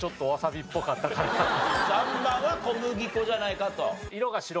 ３番は小麦粉じゃないかと。